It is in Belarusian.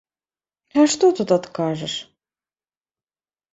А што тут адкажаш?